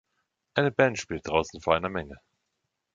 Eine Band spielt draußen vor einer Menge